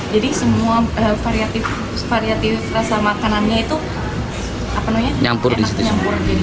jadi semua variatif rasa makanannya itu nyampur jadi sasar